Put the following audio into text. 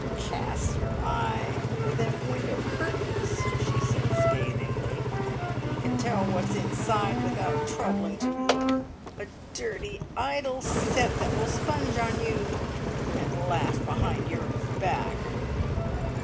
"Cast your eye over them window curtains!" said she scathingly. "Ye can tell what's inside without troubling to look. A dirty, idle set that will sponge on you, and laugh behind your back!"